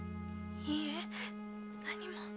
いいえ何も。